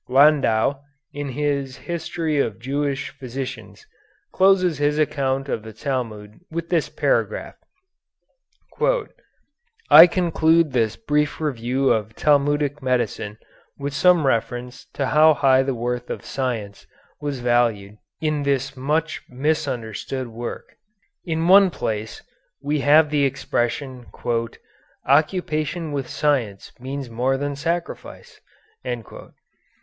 Landau, in his "History of Jewish Physicians," closes his account of the Talmud with this paragraph: "I conclude this brief review of Talmudic medicine with some reference to how high the worth of science was valued in this much misunderstood work. In one place we have the expression 'occupation with science means more than sacrifice.'